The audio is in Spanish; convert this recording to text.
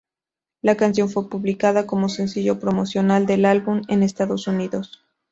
La canción fue publicada como sencillo promocional del álbum en Estados Unidos.